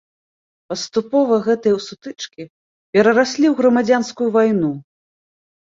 Паступова гэтыя сутычкі перараслі ў грамадзянскую вайну.